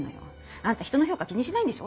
あんた人の評価気にしないんでしょ？